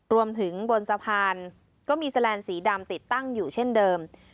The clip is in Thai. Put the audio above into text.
รวมถึงบนสะพานก็มีแสลนด์สีดำติดตั้งอยู่เช่นเดิม